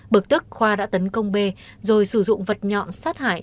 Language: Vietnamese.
bực tức khoa đã tấn công bê rồi sử dụng vật nhọn sát hại